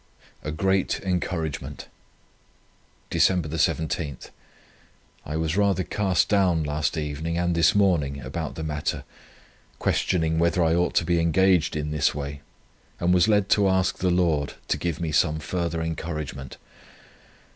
A GREAT ENCOURAGEMENT. "Dec. 17. I was rather cast down last evening and this morning about the matter, questioning whether I ought to be engaged in this way, and was led to ask the Lord to give me some further encouragement.